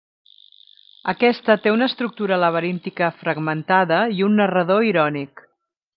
Aquesta té una estructura laberíntica fragmentada i un narrador irònic.